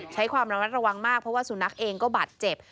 ใช้ความระมัดระวังมากเพราะว่าสุนัขเองก็บาดเจ็บ